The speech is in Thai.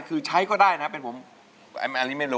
คือใช้ก็ได้นะเป็นผม